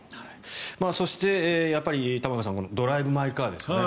そしてやっぱり玉川さん「ドライブ・マイ・カー」です